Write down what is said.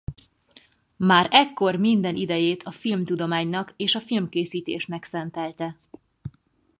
Már ekkor minden idejét a filmtudománynak és a filmkészítésnek szentelte.